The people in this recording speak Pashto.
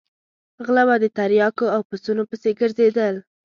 غله به د تریاکو او پسونو پسې ګرځېدل.